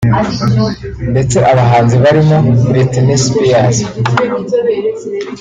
ndetse abahanzi barimo Britney Spears